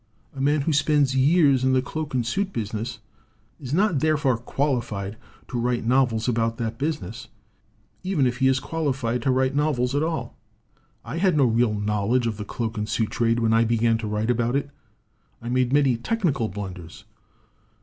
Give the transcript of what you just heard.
A man who spends years in the cloak and 'suit business is not, therefore, qualified to write novels about that business, even if he is qualified to write novels at all. "I had no real knowledge of the cloak and suit trade when I began to write about it. I made many technical blunders.